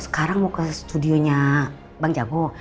sekarang mau ke studionya bang jago